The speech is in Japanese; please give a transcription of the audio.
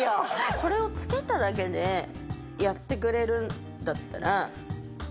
これをつけただけでやってくれるんだったら。